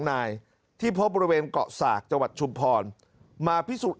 นายที่พบบริเวณเกาะสากจังหวัดชุมพรมาพิสูจน์